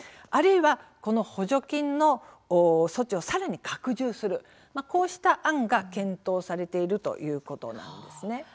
あるいは、この補助金の措置をさらに拡充するこうした案が検討されているということなんですね。